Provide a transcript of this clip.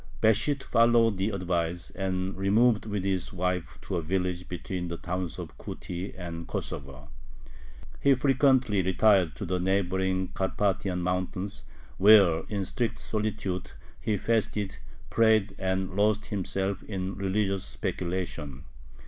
Besht followed the advice, and removed with his wife to a village between the towns of Kuty and Kosovo. He frequently retired to the neighboring Carpathian mountains, where in strict solitude he fasted, prayed, and lost himself in religious speculation.